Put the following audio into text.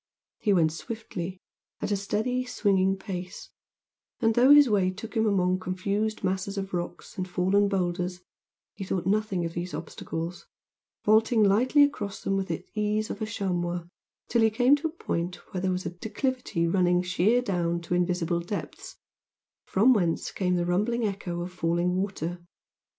He went swiftly, at a steady swinging pace, and though his way took him among confused masses of rock, and fallen boulders, he thought nothing of these obstacles, vaulting lightly across them with the ease of a chamois, till he came to a point where there was a declivity running sheer down to invisible depths, from whence came the rumbling echo of falling water.